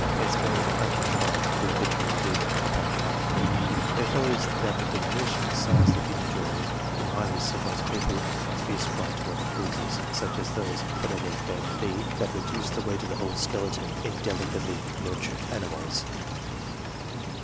It is only the hunting tribes who habitually live upon tough meat. It follows that the diminishing size of the human jaw in highly civilized people must be ascribed to other causes, such as those, whatever they may be, that reduce the weight of the whole skeleton in delicately nurtured animals.